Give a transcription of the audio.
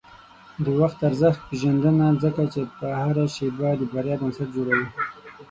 د وخت ارزښت پېژنه، ځکه چې هره شېبه د بریا بنسټ جوړوي.